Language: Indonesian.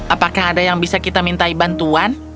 apakah ada yang bisa kita minta bantuan